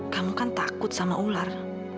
kamu kan takut sama ular